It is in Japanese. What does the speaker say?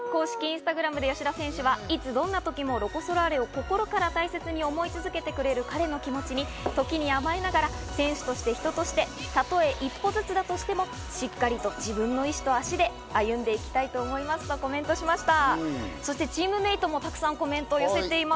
公式インスタグラムで吉田選手はいつ、どんな時もロコ・ソラーレを心から大切に思い続けてくれる彼の気持ちに時に甘えながら、選手として、人として、たとえ一歩ずつだとしても、しっかりと自分の意思と足で歩んでいきたいと思いますとコメントしました。